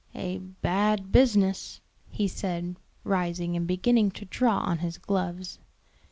"A bad business," he said, rising and beginning to draw on his gloves.